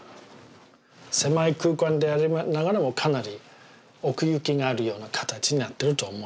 狭い空間でありながらもかなり奥行きがあるような形になってると思います。